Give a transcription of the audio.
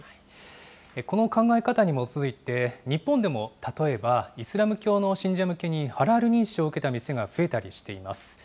この考え方に基づいて、日本でも例えば、イスラム教の信者向けにハラール認証を受けた店が増えたりしています。